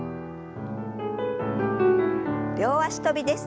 両脚跳びです。